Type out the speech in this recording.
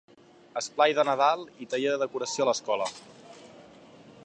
Esplai de Nadal i taller de decoració a l'escola.